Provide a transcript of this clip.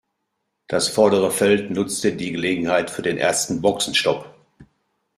Das vordere Feld nutzte die Gelegenheit für den ersten Boxenstopp.